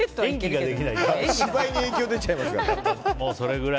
芝居に影響出ちゃいますから。